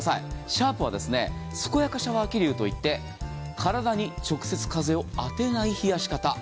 シャープはすこやかシャワー気流といって体に直接風を当てない冷やし方。